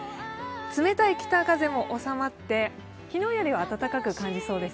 冷たい北風も収まって昨日よりは暖かく感じそうです。